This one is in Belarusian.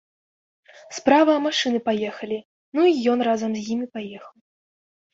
Справа машыны паехалі, ну і ён разам з імі паехаў.